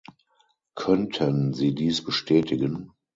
Könnten Sie dies bestätigen?